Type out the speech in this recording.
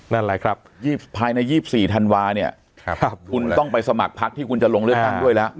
นั่นแหละครับภายใน๒๔ธันวาเนี่ยคุณต้องไปสมัครพักที่คุณจะลงเลือกตั้งด้วยแล้ว